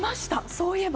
そういえば。